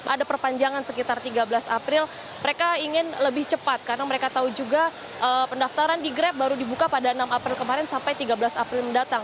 ada perpanjangan sekitar tiga belas april mereka ingin lebih cepat karena mereka tahu juga pendaftaran di grab baru dibuka pada enam april kemarin sampai tiga belas april mendatang